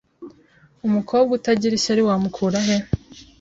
Umukobwa utagira ishyari wamukura he